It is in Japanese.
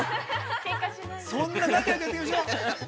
◆そんな、仲よくやっていきましょう。